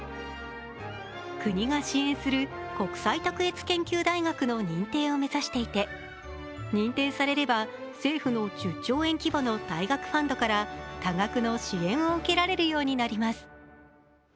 国が支援する国際卓越大学の認定を目指していて、認定されれば、政府の１０兆円規模の大学ファンドから多額の支援を受けられるようになります。